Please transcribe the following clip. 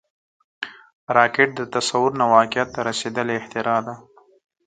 راکټ د تصور نه واقعیت ته رسیدلی اختراع ده